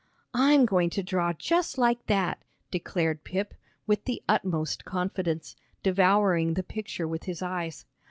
"I'm going to draw just like that," declared Pip, with the utmost confidence, devouring the picture with his eyes.